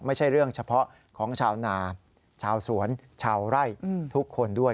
ไม่ใช่เรื่องเฉพาะของชาวนาชาวสวนชาวไร่ทุกคนด้วย